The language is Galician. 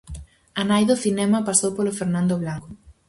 A nai do cinema pasou polo Fernando Blanco.